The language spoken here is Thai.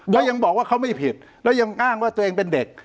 แล้วยังบอกว่าเขาไม่ผิดแล้วยังอ้างว่าตัวเองเป็นเด็ก